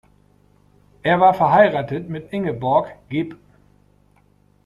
Er war verheiratet mit Ingeborg geb.